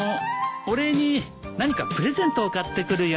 お礼に何かプレゼントを買ってくるよ。